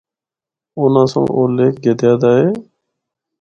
اُناں سنڑ او لکھ گدیا دا ہے۔